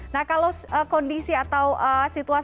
nah kalau kondisi atau situasi ini belum ideal nanti tiga puluh agustus